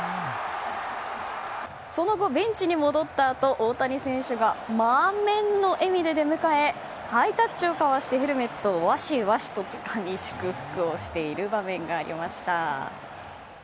その後、ベンチに戻ったあと大谷選手が満面の笑みで出迎えハイタッチを交わしてヘルメットをわしわしとつかみ祝福をしている場面がありました。